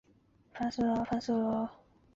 原作目前典藏于台北中山堂。